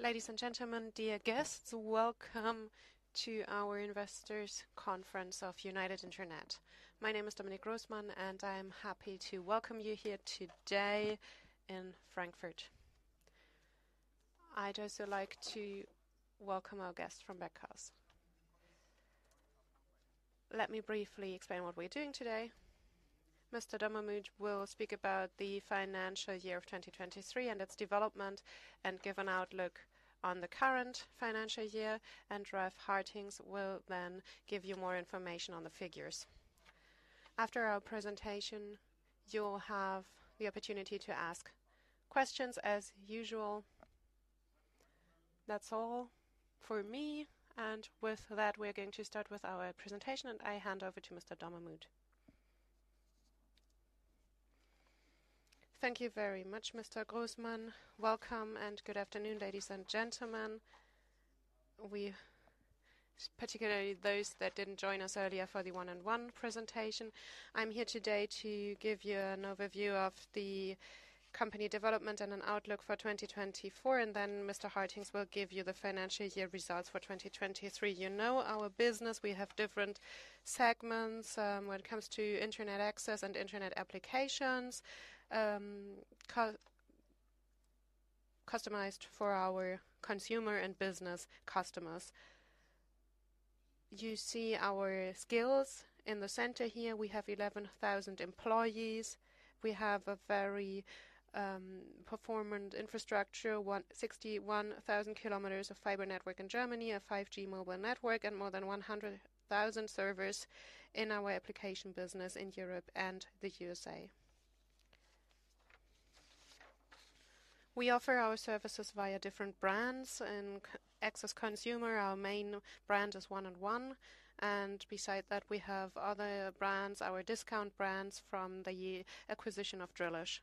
Ladies and gentlemen, dear guests, welcome to our investors' conference of United Internet. My name is Dominik Grossmann, and I'm happy to welcome you here today in Frankfurt. I'd also like to welcome our guest from Bankhaus Metzler. Let me briefly explain what we're doing today. Mr. Dommermuth will speak about the financial year of 2023 and its development, and give an outlook on the current financial year. Ralf Hartings will then give you more information on the figures. After our presentation, you'll have the opportunity to ask questions as usual. That's all for me. With that, we're going to start with our presentation, and I hand over to Mr. Dommermuth. Thank you very much, Mr. Grossmann. Welcome, and good afternoon, ladies and gentlemen, particularly those that didn't join us earlier for the 1&1 presentation. I'm here today to give you an overview of the company development and an outlook for 2024. Then Mr. Hartings will give you the financial year results for 2023. You know our business. We have different segments when it comes to internet access and internet applications customized for our consumer and business customers. You see our skills in the center here. We have 11,000 employees. We have a very performant infrastructure, 61,000 kilometers of fiber network in Germany, a 5G mobile network, and more than 100,000 servers in our application business in Europe and the USA. We offer our services via different brands in access consumer. Our main brand is 1 &1. And beside that, we have other brands, our discount brands from the acquisition of Drillisch.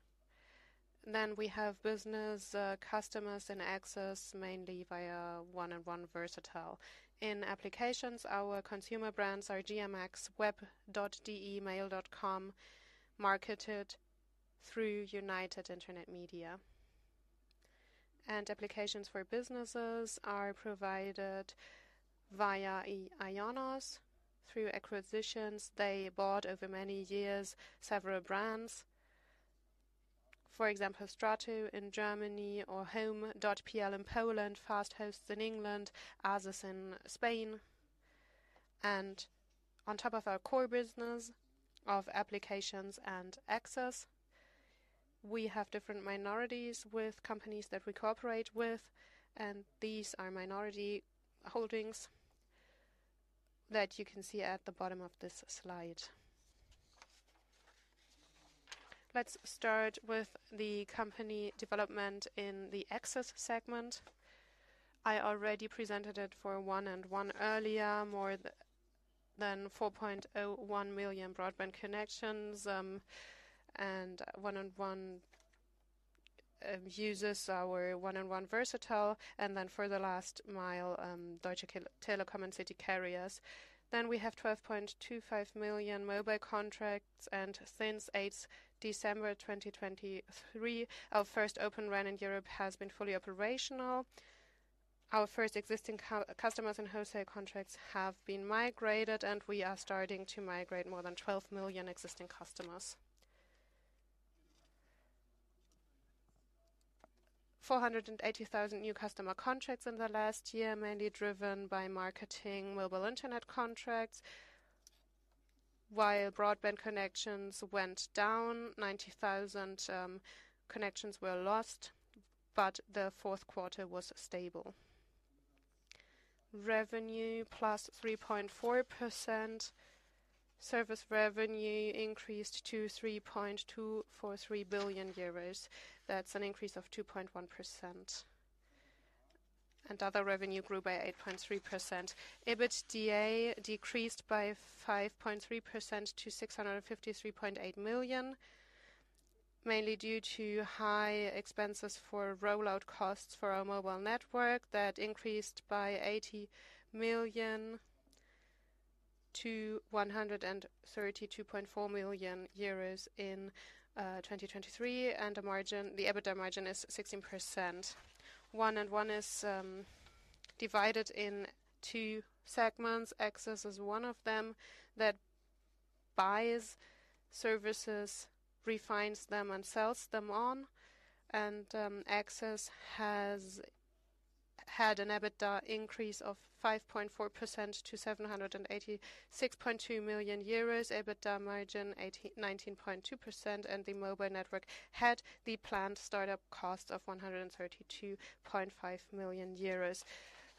We have business customers in access mainly via 1&1 Versatel. In applications, our consumer brands are GMX, WEB.DE, mail.com, marketed through United Internet Media. Applications for businesses are provided via IONOS. Through acquisitions, they bought over many years several brands, for example, Strato in Germany or home.pl in Poland, Fasthosts in England, Arsys in Spain. On top of our core business of applications and access, we have different minorities with companies that we cooperate with. These are minority holdings that you can see at the bottom of this slide. Let's start with the company development in the access segment. I already presented it for 1&1 earlier, more than 4.01 million broadband connections and 1&1 users, our 1&1 Versatel, and then for the last mile, Deutsche Telekom and city carriers. We have 12.25 million mobile contracts. Since December 2023, our first Open RAN in Europe has been fully operational. Our first existing customers and wholesale contracts have been migrated, and we are starting to migrate more than 12 million existing customers. 480,000 new customer contracts in the last year, mainly driven by marketing mobile internet contracts. While broadband connections went down, 90,000 connections were lost, but the fourth quarter was stable. Revenue +3.4%. Service revenue increased to 3.243 billion euros. That's an increase of 2.1%. And other revenue grew by 8.3%. EBITDA decreased by 5.3% to 653.8 million, mainly due to high expenses for rollout costs for our mobile network that increased by 80 million to 132.4 million euros in 2023. The EBITDA margin is 16%. 1&1 is divided in two segments. Access is one of them that buys services, refines them, and sells them on. Access has had an EBITDA increase of 5.4% to 786.2 million euros, EBITDA margin 19.2%, and the mobile network had the planned startup cost of 132.5 million euros.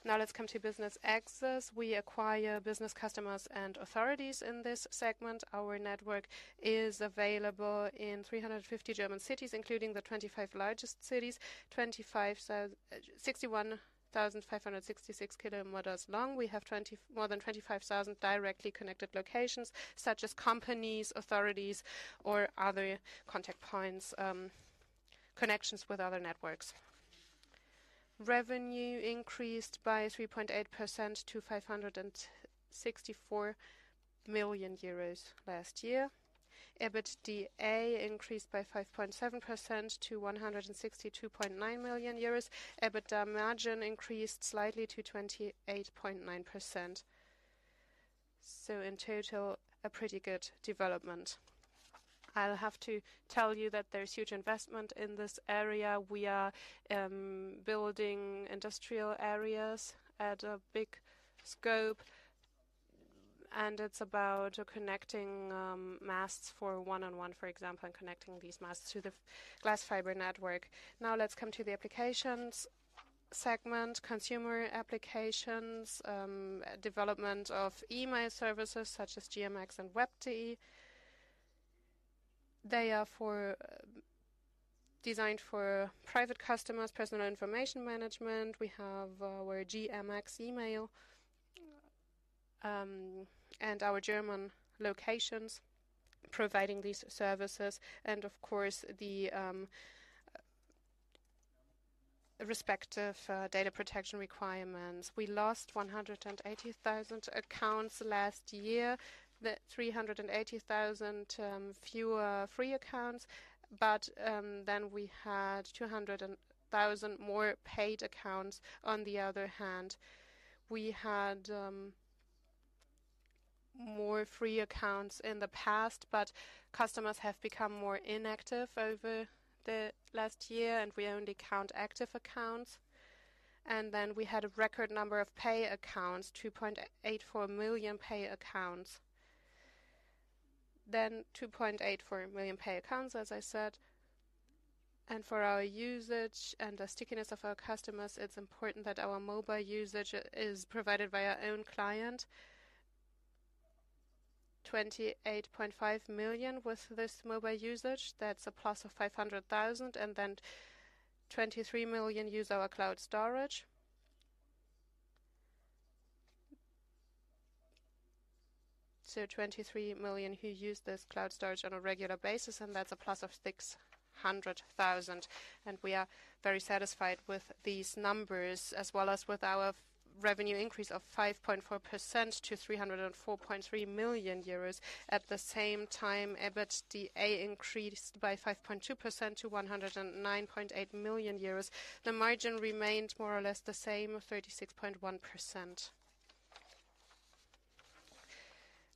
Now let's come to business access. We acquire business customers and authorities in this segment. Our network is available in 350 German cities, including the 25 largest cities, 61,566 kilometers long. We have more than 25,000 directly connected locations such as companies, authorities, or other contact points, connections with other networks. Revenue increased by 3.8% to 564 million euros last year. EBITDA increased by 5.7% to 162.9 million euros. EBITDA margin increased slightly to 28.9%. So in total, a pretty good development. I'll have to tell you that there's huge investment in this area. We are building industrial areas at a big scope, and it's about connecting masts for 1&1, for example, and connecting these masts to the glass fiber network. Now let's come to the applications segment, consumer applications, development of email services such as GMX and Web.de. They are designed for private customers, personal information management. We have our GMX email and our German locations providing these services. And of course, the respective data protection requirements. We lost 180,000 accounts last year, 380,000 fewer free accounts, but then we had 200,000 more paid accounts. On the other hand, we had more free accounts in the past, but customers have become more inactive over the last year, and we only count active accounts. And then we had a record number of pay accounts, 2.84 million pay accounts. Then 2.84 million pay accounts, as I said. And for our usage and the stickiness of our customers, it's important that our mobile usage is provided by our own client. 28.5 million with this mobile usage, that's a plus of 500,000, and then 23 million use our cloud storage. So 23 million who use this cloud storage on a regular basis, and that's a plus of 600,000. We are very satisfied with these numbers as well as with our revenue increase of 5.4% to 304.3 million euros. At the same time, EBITDA increased by 5.2% to 109.8 million euros. The margin remained more or less the same, 36.1%.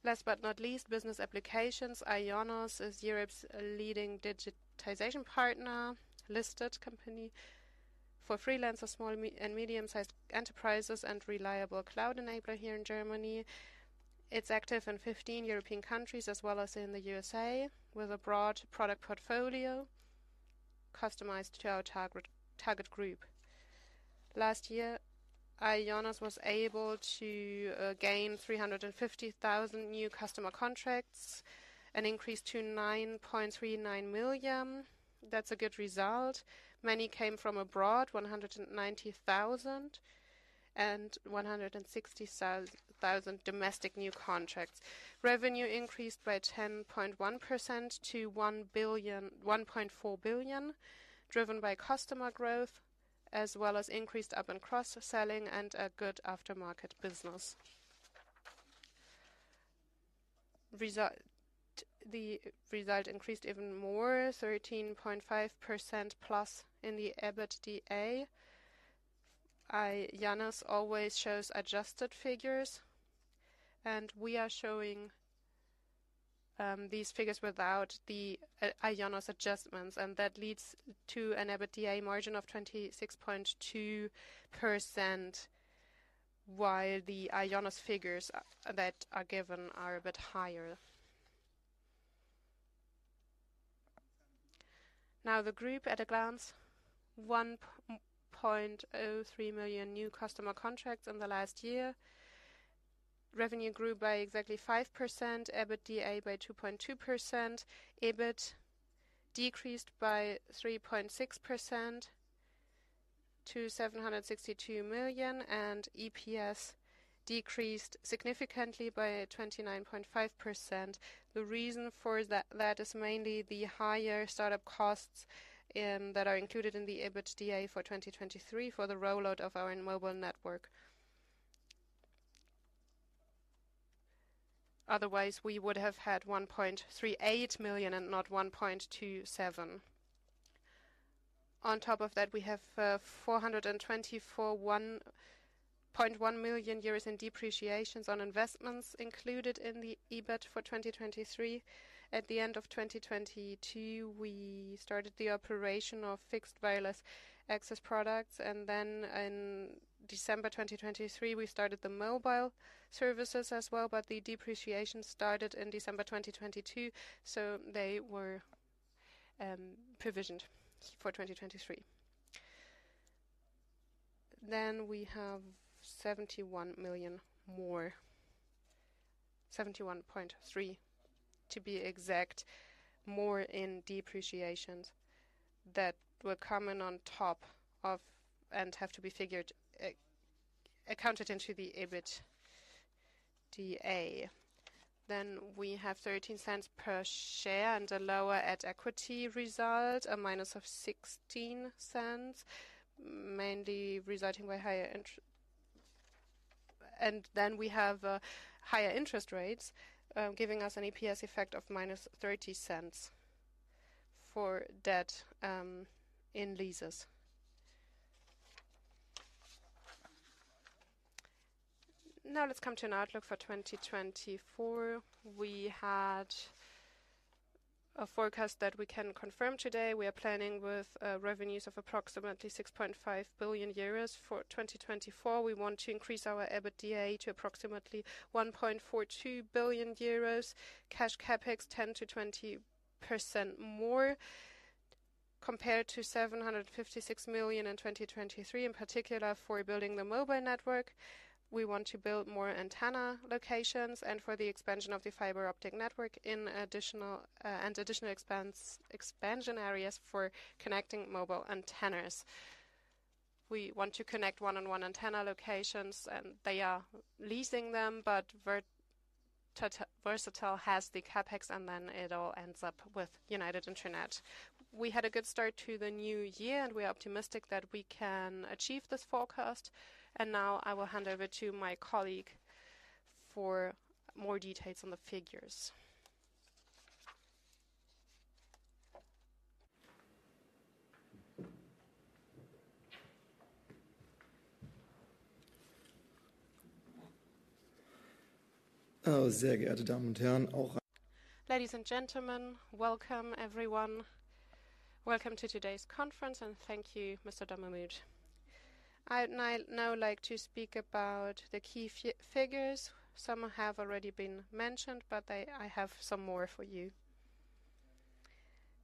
Last but not least, business applications. IONOS is Europe's leading digitization partner, listed company for freelancers, small and medium-sized enterprises, and reliable cloud enabler here in Germany. It's active in 15 European countries as well as in the USA with a broad product portfolio customized to our target group. Last year, IONOS was able to gain 350,000 new customer contracts and increase to 9.39 million. That's a good result. Many came from abroad, 190,000 and 160,000 domestic new contracts. Revenue increased by 10.1% to 1.4 billion, driven by customer growth as well as increased up-and-cross selling and a good aftermarket business. The result increased even more, 13.5% plus in the EBITDA. IONOS always shows adjusted figures, and we are showing these figures without the IONOS adjustments. That leads to an EBITDA margin of 26.2% while the IONOS figures that are given are a bit higher. Now the group at a glance, 1.03 million new customer contracts in the last year. Revenue grew by exactly 5%, EBITDA by 2.2%, EBIT decreased by 3.6% to 762 million, and EPS decreased significantly by 29.5%. The reason for that is mainly the higher startup costs that are included in the EBITDA for 2023 for the rollout of our mobile network. Otherwise, we would have had 1.38 million and not 1.27. On top of that, we have 424.1 million euros in depreciations on investments included in the EBIT for 2023. At the end of 2022, we started the operation of fixed wireless access products. And then in December 2023, we started the mobile services as well, but the depreciation started in December 2022, so they were provisioned for 2023. Then we have 71 million more, 71.3 million to be exact, more in depreciations that will come in on top of and have to be accounted into the EBITDA. Then we have 0.13 per share and a lower at equity result, a minus of 0.16, mainly resulting by higher interest. And then we have higher interest rates giving us an EPS effect of minus 0.30 for debt in leases. Now let's come to an outlook for 2024. We had a forecast that we can confirm today. We are planning with revenues of approximately 6.5 billion euros for 2024. We want to increase our EBITDA to approximately 1.42 billion euros, cash CapEx 10%-20% more compared to 756 million in 2023, in particular for building the mobile network. We want to build more antenna locations and for the expansion of the fiber optic network and additional expansion areas for connecting mobile antennas. We want to connect 16 antenna locations, and they are leasing them, but Versatel has the CapEx, and then it all ends up with United Internet. We had a good start to the new year, and we are optimistic that we can achieve this forecast. Now I will hand over to my colleague for more details on the figures. Ladies and gentlemen, welcome everyone. Welcome to today's conference, and thank you, Mr. Dommermuth. I would now like to speak about the key figures. Some have already been mentioned, but I have some more for you.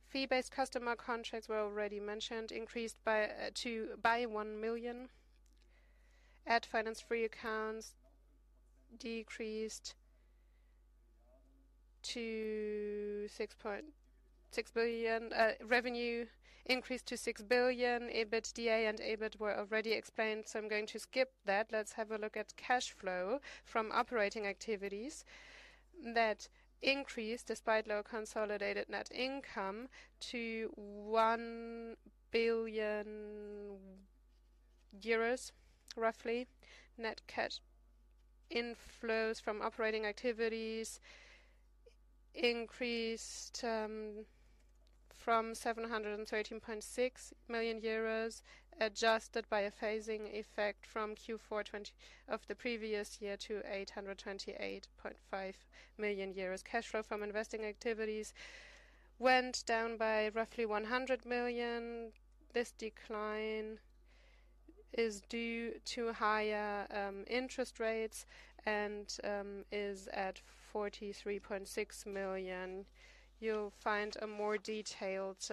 Fee-based customer contracts were already mentioned, increased by 1 million. Ad-financed free accounts decreased to 6 billion. Revenue increased to 6 billion. EBITDA and EBIT were already explained, so I'm going to skip that. Let's have a look at cash flow from operating activities that increased despite low consolidated net income to 1 billion euros. Roughly net cash inflows from operating activities increased from 713.6 million euros, adjusted by a phasing effect from Q4 of the previous year to 828.5 million euros. Cash flow from investing activities went down by roughly 100 million. This decline is due to higher interest rates and is at 43.6 million. You'll find a more detailed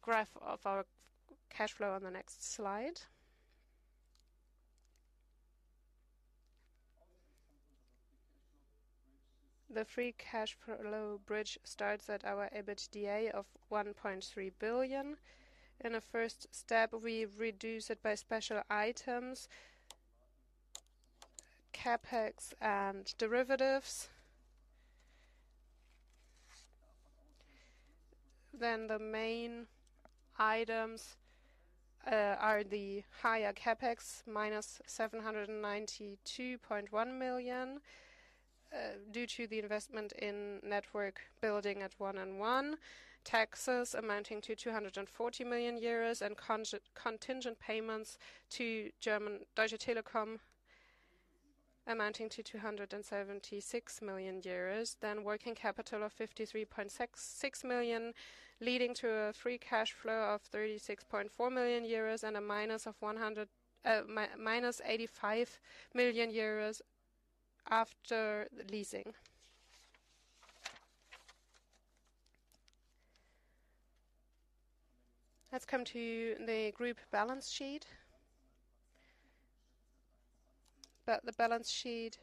graph of our cash flow on the next slide. The free cash flow bridge starts at our EBITDA of 1.3 billion. In a first step, we reduce it by special items, CapEx, and derivatives. Then the main items are the higher CapEx, minus 792.1 million due to the investment in network building at 1&1, taxes amounting to 240 million euros, and contingent payments to Deutsche Telekom amounting to 276 million euros. Then working capital of 53.6 million leading to a free cash flow of 36.4 million euros and a minus of minus 85 million euros after leasing. Let's come to the group balance sheet. The balance sheet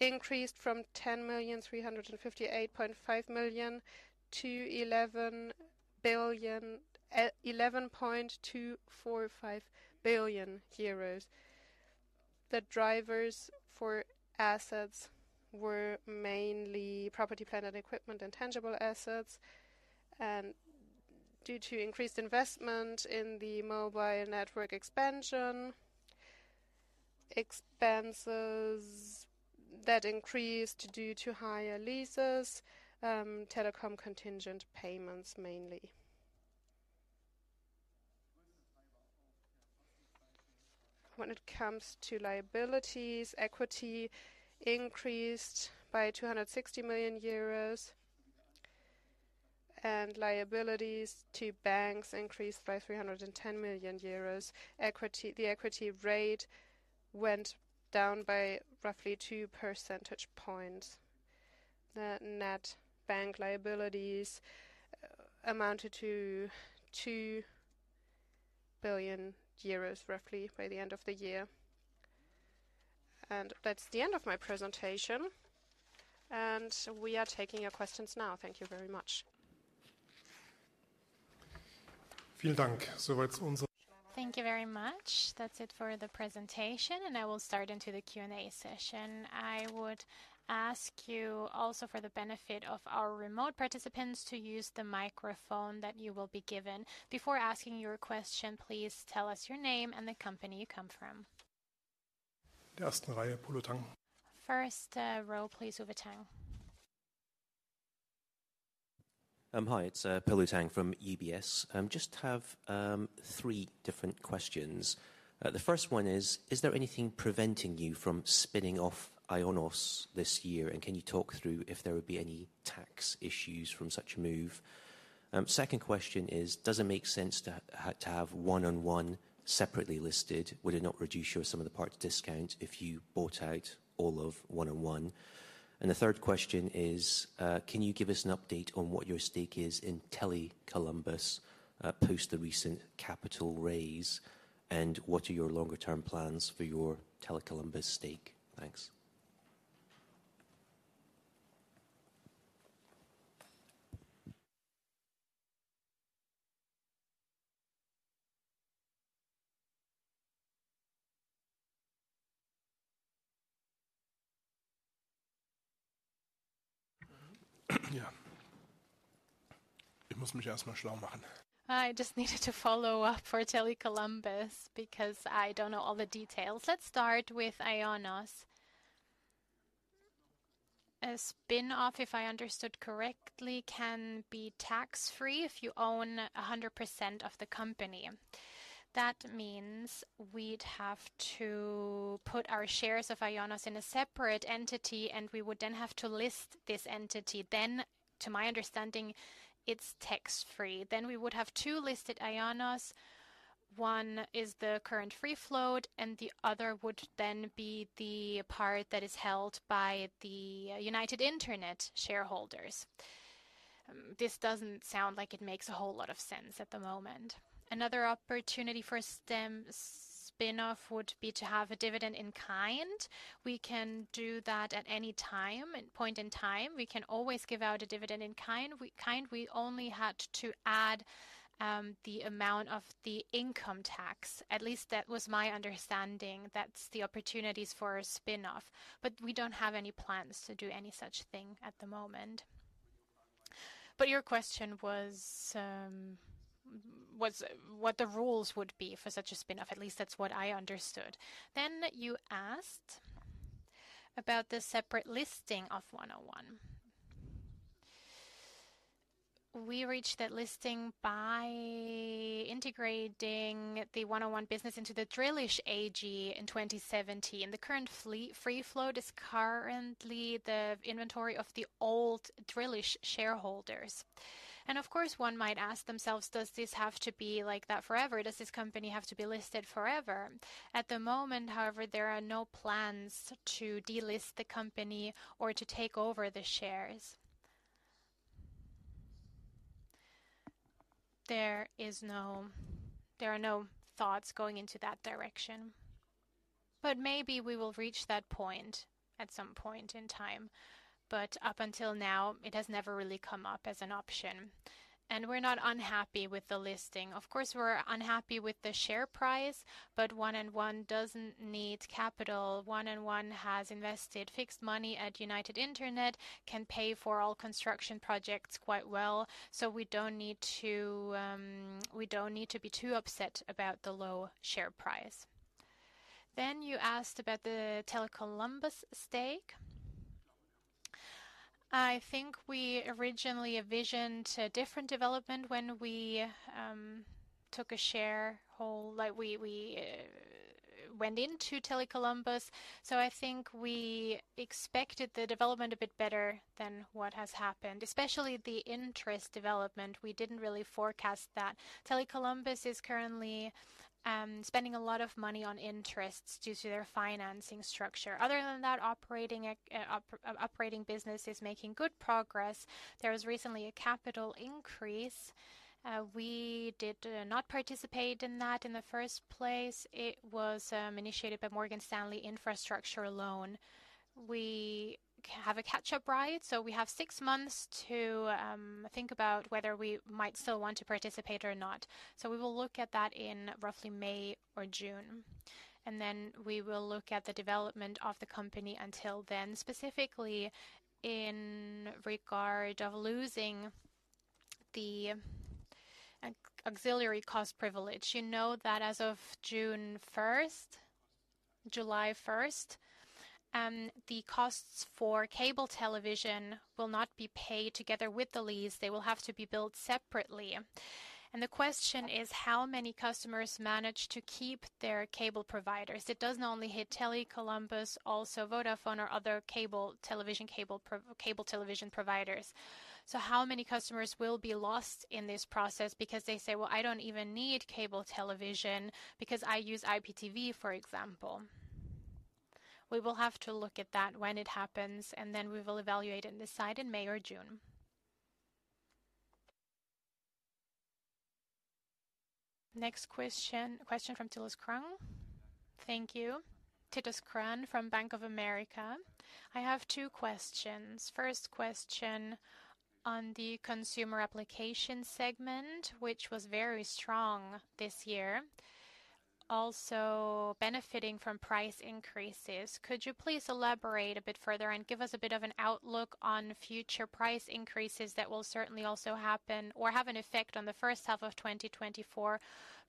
increased from 10,358.5 million to 11.245 billion euros. The drivers for assets were mainly property, plant equipment, and tangible assets. Due to increased investment in the mobile network expansion, expenses that increased due to higher leases, Telekom contingent payments mainly. When it comes to liabilities, equity increased by 260 million euros, and liabilities to banks increased by 310 million euros. The equity rate went down by roughly 2 percentage points. The net bank liabilities amounted to 2 billion euros, roughly, by the end of the year. We are taking your questions now. Thank you very much. Vielen Dank. Soweit unser. Thank you very much. That's it for the presentation, and I will start into the Q&A session. I would ask you also for the benefit of our remote participants to use the microphone that you will be given. Before asking your question, please tell us your name and the company you come from. Der ersten Reihe, Polo Tang. First row, please, Polo Tang. Hi, it's Polo Tang from UBS. Just have three different questions. The first one is, is there anything preventing you from spinning off IONOS this year, and can you talk through if there would be any tax issues from such a move? Second question is, does it make sense to have 1&1 separately listed? Would it not reduce your sum of the parts discount if you bought out all of 1&1? And the third question is, can you give us an update on what your stake is in Tele Columbus post the recent capital raise, and what are your longer-term plans for your Tele Columbus stake? Thanks. Ja. Ich muss mich erst mal schlau machen. I just needed to follow up for Tele Columbus because I don't know all the details. Let's start with IONOS. A spin-off, if I understood correctly, can be tax-free if you own 100% of the company. That means we'd have to put our shares of IONOS in a separate entity, and we would then have to list this entity. Then, to my understanding, it's tax-free. Then we would have two listed IONOS. One is the current free float, and the other would then be the part that is held by the United Internet shareholders. This doesn't sound like it makes a whole lot of sense at the moment. Another opportunity for a spin-off would be to have a dividend in kind. We can do that at any point in time. We can always give out a dividend in kind. We only had to add the amount of the income tax. At least that was my understanding. That's the opportunities for a spin-off. But we don't have any plans to do any such thing at the moment. But your question was what the rules would be for such a spin-off. At least that's what I understood. Then you asked about the separate listing of 1&1. We reached that listing by integrating the 1&1 business into the Drillisch AG in 2017. The current free float is currently the inventory of the old Drillisch shareholders. And of course, one might ask themselves, does this have to be like that forever? Does this company have to be listed forever? At the moment, however, there are no plans to delist the company or to take over the shares. There are no thoughts going into that direction. But maybe we will reach that point at some point in time. But up until now, it has never really come up as an option. And we're not unhappy with the listing. Of course, we're unhappy with the share price, but 1&1 doesn't need capital. 1&1 has invested fixed money at United Internet, can pay for all construction projects quite well, so we don't need to be too upset about the low share price. Then you asked about the Tele Columbus stake. I think we originally envisioned a different development when we took a shareholder we went into Tele Columbus. So I think we expected the development a bit better than what has happened, especially the interest development. We didn't really forecast that. Tele Columbus is currently spending a lot of money on interests due to their financing structure. Other than that, operating business is making good progress. There was recently a capital increase. We did not participate in that in the first place. It was initiated by Morgan Stanley Infrastructure Partners. We have a catch-up right, so we have six months to think about whether we might still want to participate or not. So we will look at that in roughly May or June. And then we will look at the development of the company until then, specifically in regard to losing the ancillary cost privilege. You know that as of June 1st, July 1st, the costs for cable television will not be paid together with the lease. They will have to be billed separately. And the question is how many customers manage to keep their cable providers. It doesn't only hit Tele Columbus, also Vodafone or other cable television providers. So how many customers will be lost in this process because they say, "Well, I don't even need cable television because I use IPTV," for example? We will have to look at that when it happens, and then we will evaluate and decide in May or June. Next question. Question from Titus Krahn. Thank you. Titus Krahn from Bank of America. I have two questions. First question on the consumer application segment, which was very strong this year, also benefiting from price increases. Could you please elaborate a bit further and give us a bit of an outlook on future price increases that will certainly also happen or have an effect on the first half of 2024,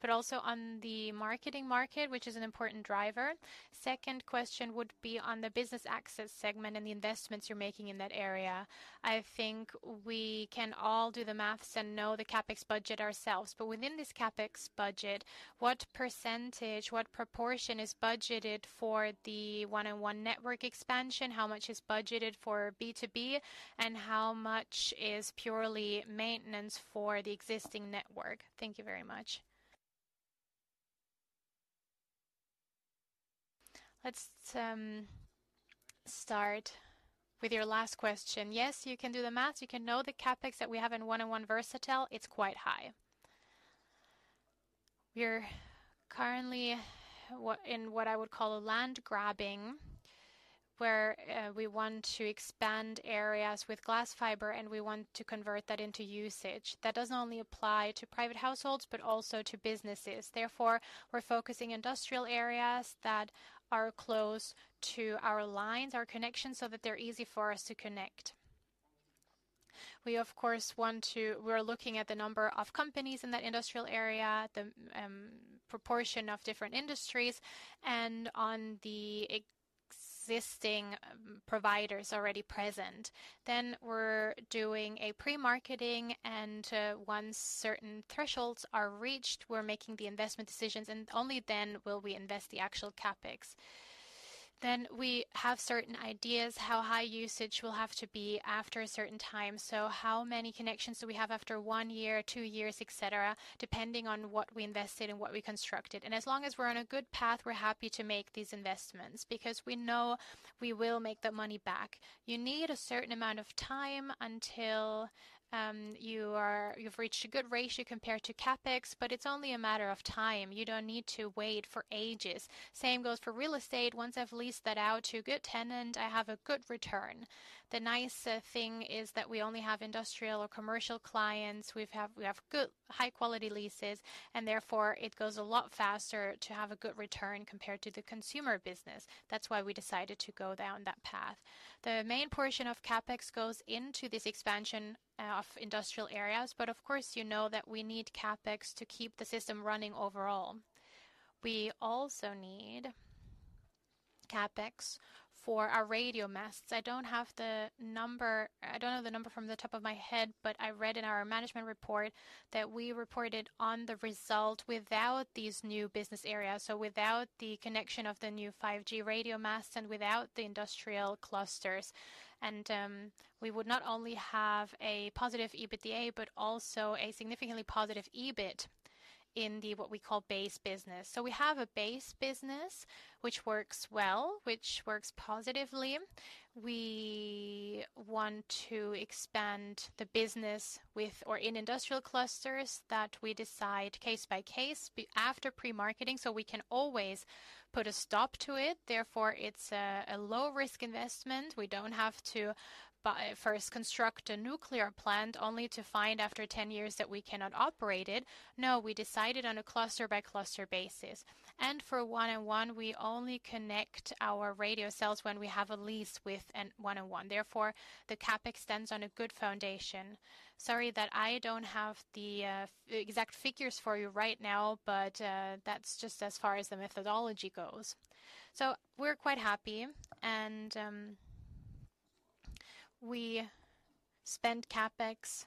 but also on the marketing market, which is an important driver? Second question would be on the business access segment and the investments you're making in that area. I think we can all do the math and know the CapEx budget ourselves. But within this CapEx budget, what percentage, what proportion is budgeted for the 1&1 network expansion? How much is budgeted for B2B, and how much is purely maintenance for the existing network? Thank you very much. Let's start with your last question. Yes, you can do the math. You can know the CapEx that we have in 1&1 Versatel. It's quite high. We're currently in what I would call a land grabbing, where we want to expand areas with glass fiber, and we want to convert that into usage. That doesn't only apply to private households but also to businesses. Therefore, we're focusing on industrial areas that are close to our lines, our connections, so that they're easy for us to connect. We, of course, want to we're looking at the number of companies in that industrial area, the proportion of different industries, and on the existing providers already present. Then we're doing a pre-marketing, and once certain thresholds are reached, we're making the investment decisions, and only then will we invest the actual CapEx. Then we have certain ideas how high usage will have to be after a certain time. So how many connections do we have after one year, two years, etc., depending on what we invested and what we constructed? And as long as we're on a good path, we're happy to make these investments because we know we will make that money back. You need a certain amount of time until you've reached a good ratio compared to CapEx, but it's only a matter of time. You don't need to wait for ages. Same goes for real estate. Once I've leased that out to a good tenant, I have a good return. The nicer thing is that we only have industrial or commercial clients. We have good, high-quality leases, and therefore, it goes a lot faster to have a good return compared to the consumer business. That's why we decided to go down that path. The main portion of CapEx goes into this expansion of industrial areas, but of course, you know that we need CapEx to keep the system running overall. We also need CapEx for our radio masts. I don't know the number from the top of my head, but I read in our management report that we reported on the result without these new business areas, so without the connection of the new 5G radio masts and without the industrial clusters. We would not only have a positive EBITDA but also a significantly positive EBIT in what we call base business. So we have a base business which works well, which works positively. We want to expand the business or in industrial clusters that we decide case by case after pre-marketing so we can always put a stop to it. Therefore, it's a low-risk investment. We don't have to first construct a nuclear plant only to find after 10 years that we cannot operate it. No, we decided on a cluster-by-cluster basis. And for 1&1, we only connect our radio cells when we have a lease with 1&1. Therefore, the CapEx stands on a good foundation. Sorry that I don't have the exact figures for you right now, but that's just as far as the methodology goes. So we're quite happy, and we spend CapEx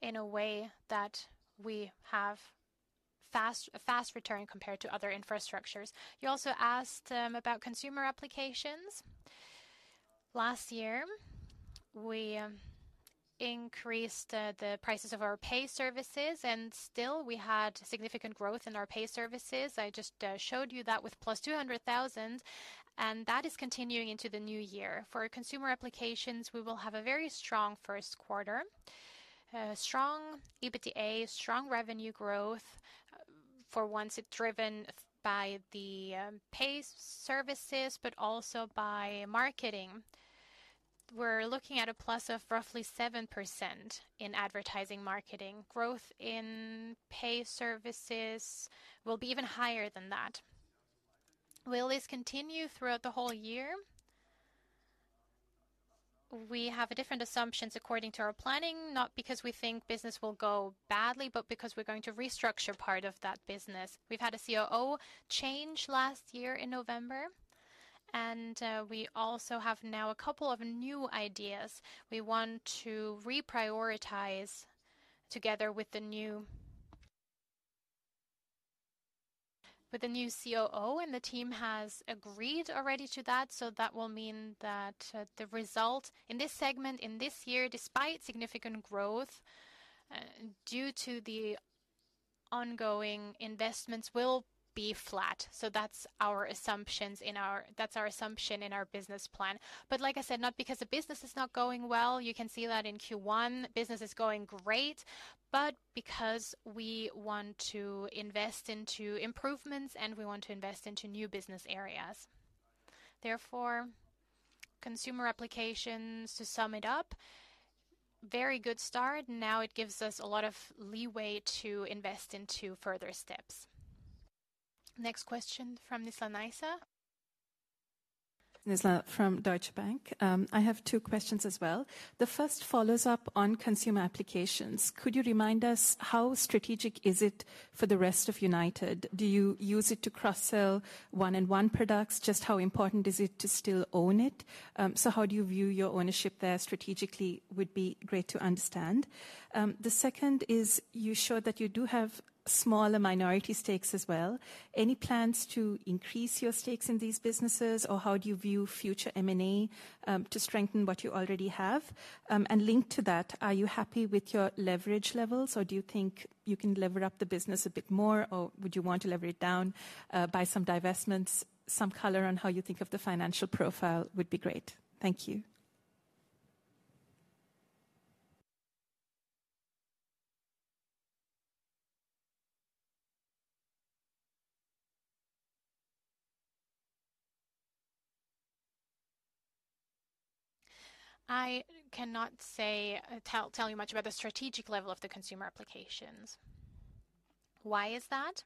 in a way that we have a fast return compared to other infrastructures. You also asked about consumer applications. Last year, we increased the prices of our pay services, and still, we had significant growth in our pay services. I just showed you that with +200,000, and that is continuing into the new year. For consumer applications, we will have a very strong first quarter, strong EBITDA, strong revenue growth, for once it's driven by the pay services but also by marketing. We're looking at a plus of roughly 7% in advertising marketing. Growth in pay services will be even higher than that. Will this continue throughout the whole year? We have different assumptions according to our planning, not because we think business will go badly but because we're going to restructure part of that business. We've had a COO change last year in November, and we also have now a couple of new ideas we want to reprioritize together with the new COO, and the team has agreed already to that. So that will mean that the result in this segment in this year, despite significant growth due to the ongoing investments, will be flat. So that's our assumption in our business plan. But like I said, not because the business is not going well. You can see that in Q1, business is going great, but because we want to invest into improvements, and we want to invest into new business areas. Therefore, consumer applications, to sum it up, very good start. Now it gives us a lot of leeway to invest into further steps. Next question from Nizla Naizer. Naizer from Deutsche Bank. I have two questions as well. The first follows up on consumer applications. Could you remind us how strategic is it for the rest of United? Do you use it to cross-sell 1&1 products? Just how important is it to still own it? So how do you view your ownership there strategically would be great to understand. The second is you showed that you do have smaller minority stakes as well. Any plans to increase your stakes in these businesses, or how do you view future M&A to strengthen what you already have? And linked to that, are you happy with your leverage levels, or do you think you can lever up the business a bit more, or would you want to lever it down by some divestments? Some color on how you think of the financial profile would be great. Thank you. I cannot tell you much about the strategic level of the consumer applications. Why is that?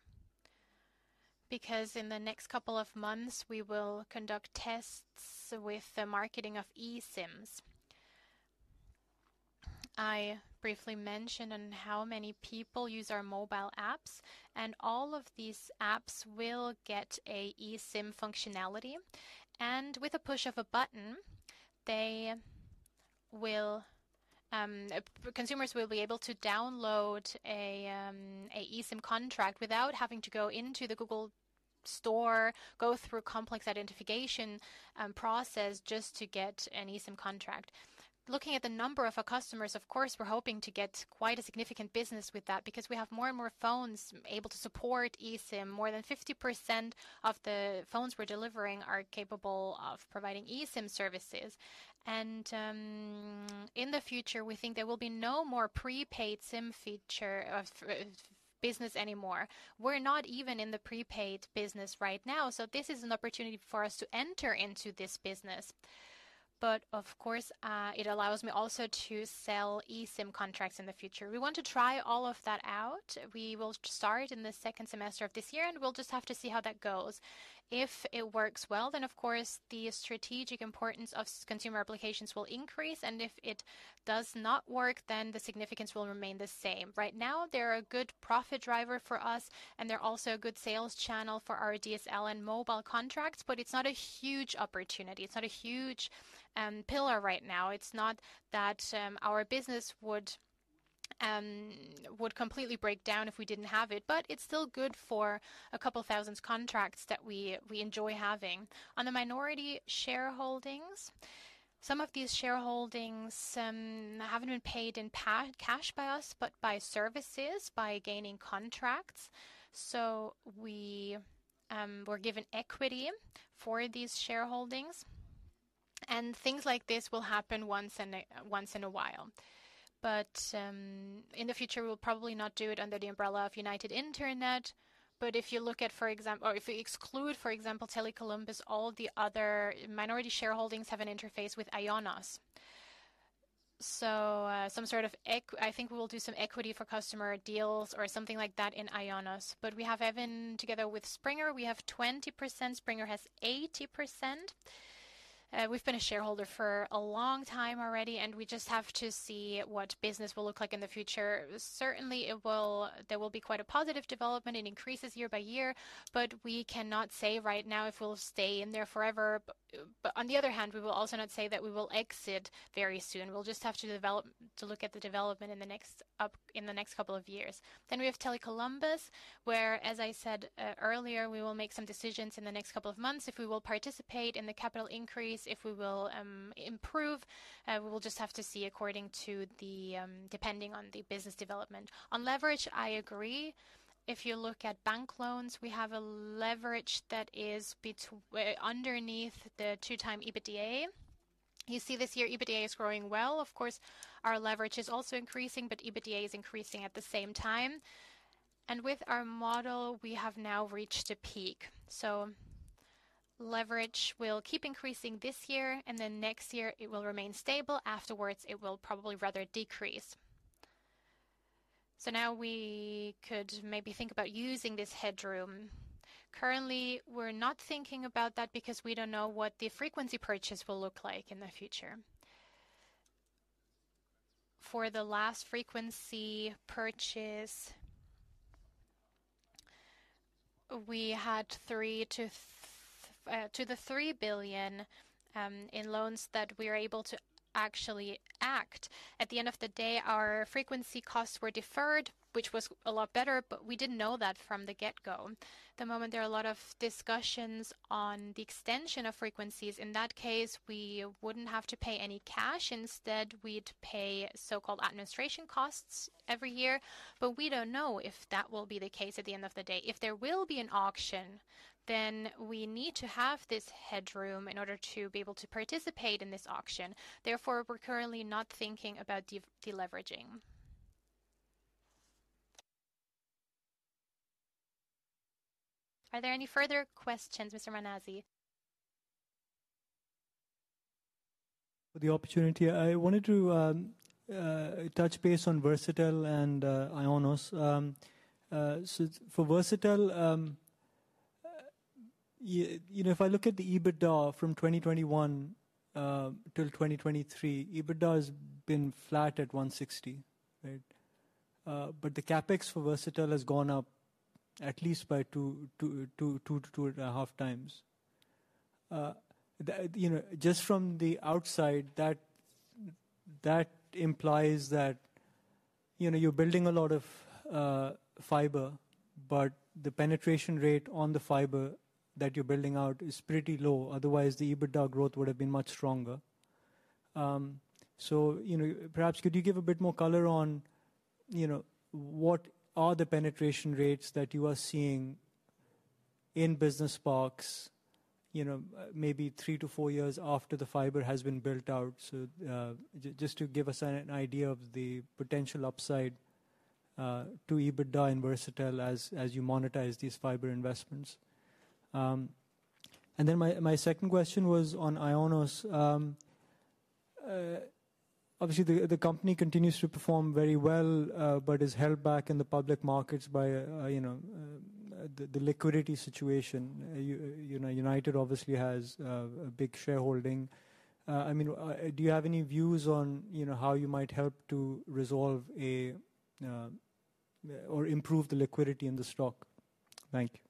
Because in the next couple of months, we will conduct tests with the marketing of eSIMs. I briefly mentioned on how many people use our mobile apps, and all of these apps will get an eSIM functionality. And with a push of a button, consumers will be able to download an eSIM contract without having to go into the Google Store, go through a complex identification process just to get an eSIM contract. Looking at the number of our customers, of course, we're hoping to get quite a significant business with that because we have more and more phones able to support eSIM. More than 50% of the phones we're delivering are capable of providing eSIM services. And in the future, we think there will be no more prepaid SIM feature of business anymore. We're not even in the prepaid business right now, so this is an opportunity for us to enter into this business. But of course, it allows me also to sell eSIM contracts in the future. We want to try all of that out. We will start in the second semester of this year, and we'll just have to see how that goes. If it works well, then of course, the strategic importance of consumer applications will increase. And if it does not work, then the significance will remain the same. Right now, they're a good profit driver for us, and they're also a good sales channel for our DSL and mobile contracts, but it's not a huge opportunity. It's not a huge pillar right now. It's not that our business would completely break down if we didn't have it, but it's still good for a couple thousand contracts that we enjoy having. On the minority shareholdings, some of these shareholdings haven't been paid in cash by us but by services, by gaining contracts. So we're given equity for these shareholdings. And things like this will happen once in a while. But in the future, we will probably not do it under the umbrella of United Internet. But if you look at, for example or if you exclude, for example, Tele Columbus, all the other minority shareholdings have an interface with IONOS. So some sort of I think we will do some equity for customer deals or something like that in IONOS. But we have even together with Springer, we have 20%. Springer has 80%. We've been a shareholder for a long time already, and we just have to see what business will look like in the future. Certainly, there will be quite a positive development and increases year by year, but we cannot say right now if we'll stay in there forever. But on the other hand, we will also not say that we will exit very soon. We'll just have to look at the development in the next couple of years. Then we have Tele Columbus, where, as I said earlier, we will make some decisions in the next couple of months if we will participate in the capital increase, if we will improve. We will just have to see according to the depending on the business development. On leverage, I agree. If you look at bank loans, we have a leverage that is underneath the 2x EBITDA. You see this year, EBITDA is growing well. Of course, our leverage is also increasing, but EBITDA is increasing at the same time. And with our model, we have now reached a peak. So leverage will keep increasing this year, and then next year, it will remain stable. Afterwards, it will probably rather decrease. So now we could maybe think about using this headroom. Currently, we're not thinking about that because we don't know what the frequency purchase will look like in the future. For the last frequency purchase, we had 3.3 billion in loans that we were able to actually access. At the end of the day, our frequency costs were deferred, which was a lot better, but we didn't know that from the get-go. At the moment, there are a lot of discussions on the extension of frequencies. In that case, we wouldn't have to pay any cash. Instead, we'd pay so-called administration costs every year. But we don't know if that will be the case at the end of the day. If there will be an auction, then we need to have this headroom in order to be able to participate in this auction. Therefore, we're currently not thinking about deleveraging. Are there any further questions, Usman Ghazi? For the opportunity, I wanted to touch base on Versatel and IONOS. For Versatel, if I look at the EBITDA from 2021 till 2023, EBITDA has been flat at 160, right? But the CapEx for Versatel has gone up at least by 2.5 times. Just from the outside, that implies that you're building a lot of fiber, but the penetration rate on the fiber that you're building out is pretty low. Otherwise, the EBITDA growth would have been much stronger. Perhaps could you give a bit more color on what are the penetration rates that you are seeing in business parks, maybe 3-4 years after the fiber has been built out, just to give us an idea of the potential upside to EBITDA in Versatel as you monetize these fiber investments? And then my second question was on IONOS. Obviously, the company continues to perform very well but is held back in the public markets by the liquidity situation. United obviously has a big shareholding. I mean, do you have any views on how you might help to resolve or improve the liquidity in the stock? Thank you.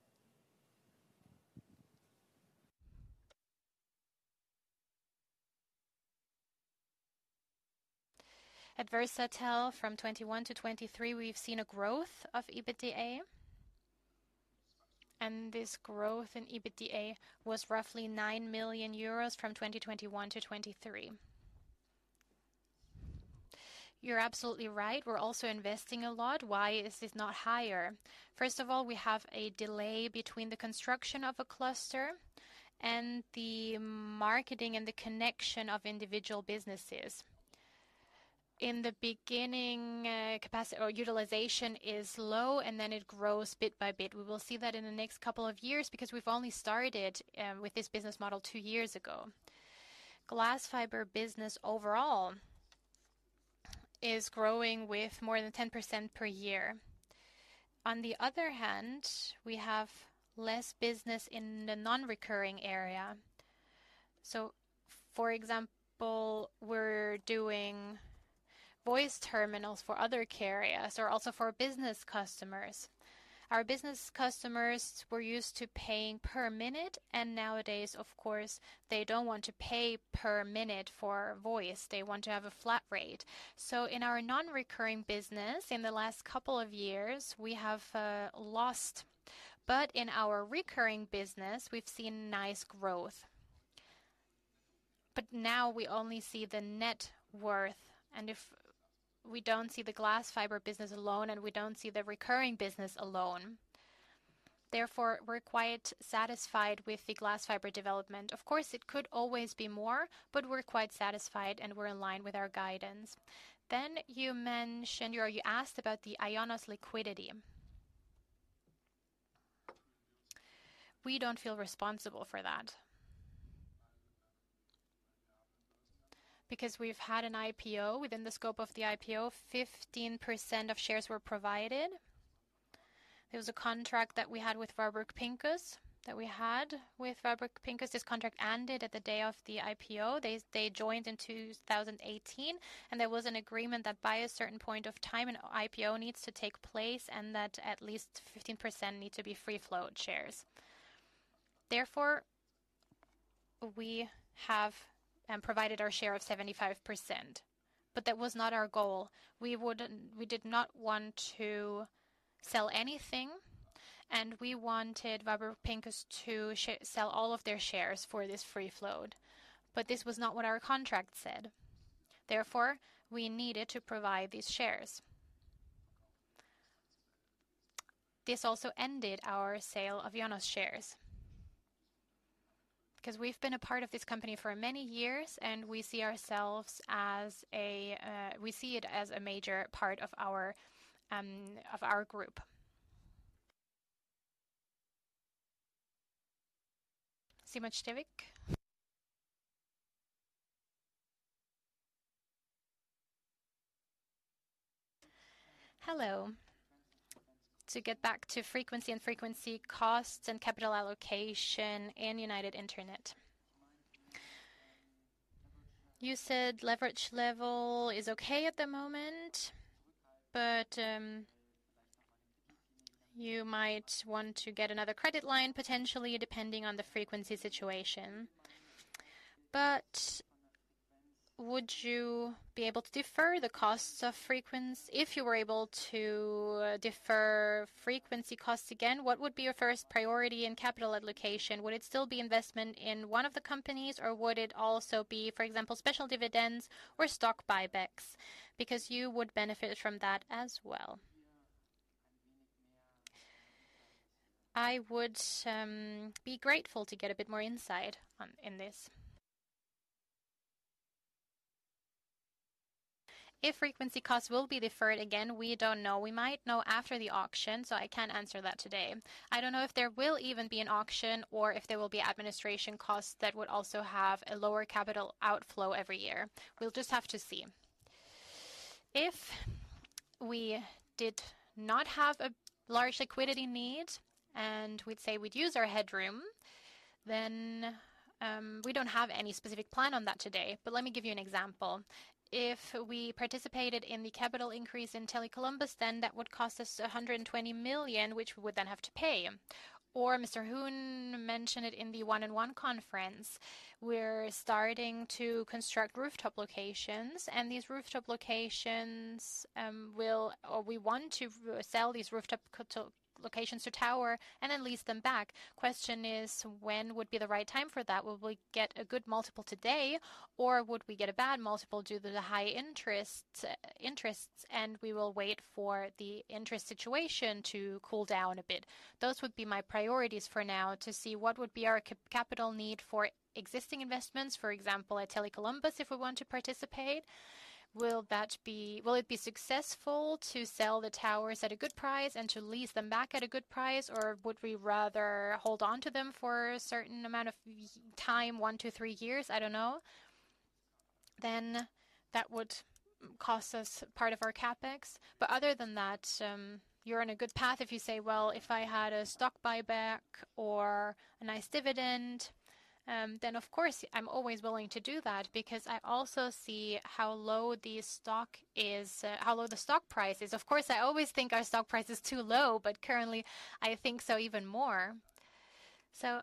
At Versatile, from 2021 to 2023, we've seen a growth of EBITDA. This growth in EBITDA was roughly 9 million euros from 2021 to 2023. You're absolutely right. We're also investing a lot. Why is this not higher? First of all, we have a delay between the construction of a cluster and the marketing and the connection of individual businesses. In the beginning, utilization is low, and then it grows bit by bit. We will see that in the next couple of years because we've only started with this business model two years ago. Glass fiber business overall is growing with more than 10% per year. On the other hand, we have less business in the non-recurring area. So for example, we're doing voice terminals for other carriers or also for business customers. Our business customers were used to paying per minute, and nowadays, of course, they don't want to pay per minute for voice. They want to have a flat rate. So in our non-recurring business, in the last couple of years, we have lost. But in our recurring business, we've seen nice growth. But now we only see the net worth. And if we don't see the fiber optic business alone, and we don't see the recurring business alone, therefore, we're quite satisfied with the fiber optic development. Of course, it could always be more, but we're quite satisfied, and we're in line with our guidance. Then you asked about the IONOS liquidity. We don't feel responsible for that because we've had an IPO. Within the scope of the IPO, 15% of shares were provided. There was a contract that we had with Warburg Pincus that we had with Warburg Pincus. This contract ended at the day of the IPO. They joined in 2018, and there was an agreement that by a certain point of time, an IPO needs to take place and that at least 15% need to be free-flow shares. Therefore, we have provided our share of 75%, but that was not our goal. We did not want to sell anything, and we wanted Warburg Pincus to sell all of their shares for this free-flow. But this was not what our contract said. Therefore, we needed to provide these shares. This also ended our sale of IONOS shares because we've been a part of this company for many years, and we see ourselves as a we see it as a major part of our group. Simon Stippig. Hello. To get back to frequency and frequency costs and capital allocation in United Internet. You said leverage level is okay at the moment, but you might want to get another credit line potentially depending on the frequency situation. But would you be able to defer the costs of frequency? If you were able to defer frequency costs again, what would be your first priority in capital allocation? Would it still be investment in one of the companies, or would it also be, for example, special dividends or stock buybacks? Because you would benefit from that as well. I would be grateful to get a bit more insight in this. If frequency costs will be deferred again, we don't know. We might know after the auction, so I can't answer that today. I don't know if there will even be an auction or if there will be administration costs that would also have a lower capital outflow every year. We'll just have to see. If we did not have a large liquidity need and we'd say we'd use our headroom, then we don't have any specific plan on that today. But let me give you an example. If we participated in the capital increase in Tele Columbus, then that would cost us 120 million, which we would then have to pay. Or Mr. Huhn mentioned it in the 1&1 conference. We're starting to construct rooftop locations, and these rooftop locations will or we want to sell these rooftop locations to Tower and then lease them back. Question is, when would be the right time for that? Will we get a good multiple today, or would we get a bad multiple due to the high interests, and we will wait for the interest situation to cool down a bit? Those would be my priorities for now to see what would be our capital need for existing investments. For example, at Tele Columbus, if we want to participate, will it be successful to sell the towers at a good price and to lease them back at a good price, or would we rather hold onto them for a certain amount of time, one to three years? I don't know. Then that would cost us part of our CapEx. But other than that, you're on a good path if you say, "Well, if I had a stock buyback or a nice dividend," then of course, I'm always willing to do that because I also see how low the stock is how low the stock price is. Of course, I always think our stock price is too low, but currently, I think so even more. So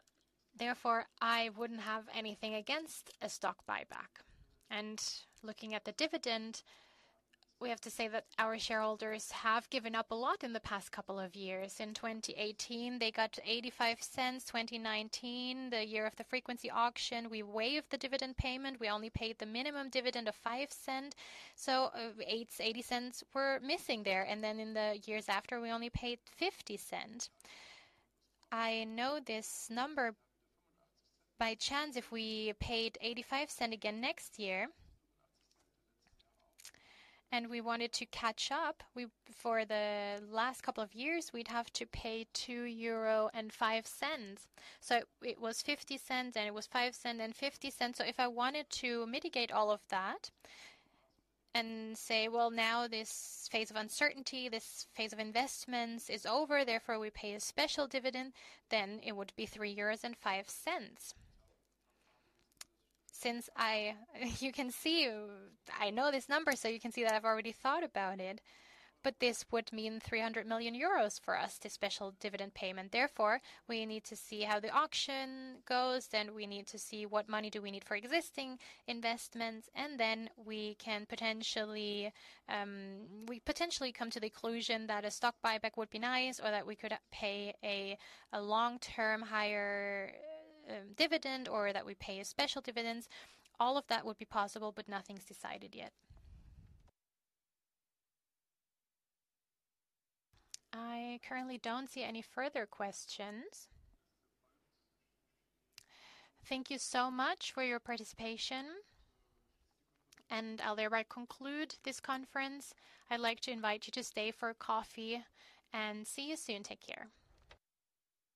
therefore, I wouldn't have anything against a stock buyback. And looking at the dividend, we have to say that our shareholders have given up a lot in the past couple of years. In 2018, they got 0.85. 2019, the year of the frequency auction, we waived the dividend payment. We only paid the minimum dividend of 0.05. So 0.80 were missing there. And then in the years after, we only paid 0.50. I know this number. By chance, if we paid 0.85 again next year and we wanted to catch up, for the last couple of years, we'd have to pay 2.05 euro. So it was 0.50, and it was 0.05 and 0.50. So if I wanted to mitigate all of that and say, "Well, now this phase of uncertainty, this phase of investments is over. Therefore, we pay a special dividend," then it would be 3.05 euros. You can see I know this number, so you can see that I've already thought about it. But this would mean 300 million euros for us, this special dividend payment. Therefore, we need to see how the auction goes, then we need to see what money do we need for existing investments, and then we can potentially come to the conclusion that a stock buyback would be nice or that we could pay a long-term higher dividend or that we pay a special dividend. All of that would be possible, but nothing's decided yet. I currently don't see any further questions. Thank you so much for your participation. I'll thereby conclude this conference. I'd like to invite you to stay for coffee and see you soon. Take care.